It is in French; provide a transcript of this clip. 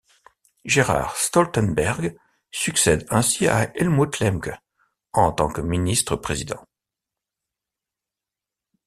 Gerhard Stoltenberg succède ainsi à Helmut Lemke en tant que ministre-président.